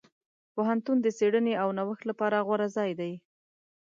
پوهنتون د څېړنې او نوښت لپاره غوره ځای دی.